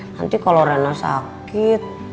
nanti kalau rena sakit